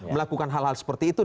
melakukan hal hal seperti itu